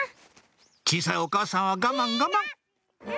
小さいお母さんは我慢我慢ひな！